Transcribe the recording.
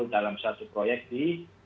dalam suatu proyek di